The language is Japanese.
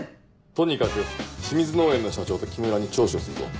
とにかく清水農園の社長と木村に聴取をするぞ。